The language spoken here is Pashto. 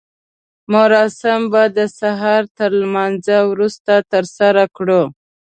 مراسم به د سهار تر لمانځه وروسته ترسره کړو.